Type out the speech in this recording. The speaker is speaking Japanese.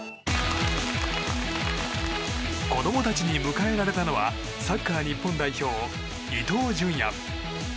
子供たちに迎えられたのはサッカー日本代表、伊東純也。